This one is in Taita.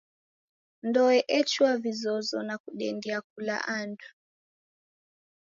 Ndoe echua vizozo nakudendia kula andu.